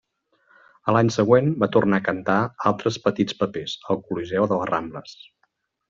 A l'any següent va tornar a cantar altres petits papers al coliseu de les Rambles.